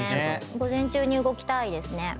午前中に動きたいですね。